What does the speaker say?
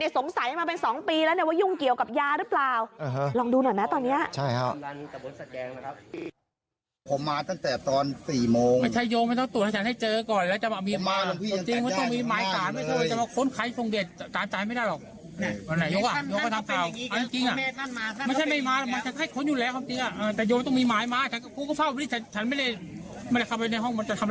สงสัยมาเป็น๒ปีแล้วว่ายุ่งเกี่ยวกับยาหรือเปล่า